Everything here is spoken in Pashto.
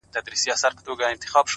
ژوند مي د هوا په لاس کي وليدی؛